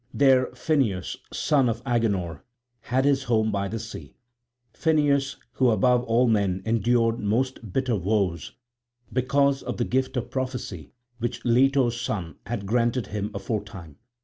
There Phineus, son of Agenor, had his home by the sea, Phineus who above all men endured most bitter woes because of the gift of prophecy which Leto's son had granted him aforetime.